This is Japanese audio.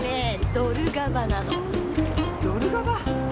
ドルガバ。